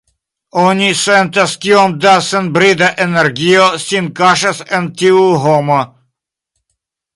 Oni sentas kiom da senbrida energio sin kaŝas en tiu homo.